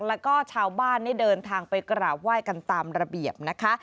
แล้วก็ชาวบ้านได้เดินทางไปกราบไหว้กันตามระเบียบนะคะ